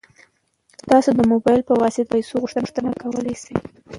تاسو د موبایل په واسطه د پيسو غوښتنه کولی شئ.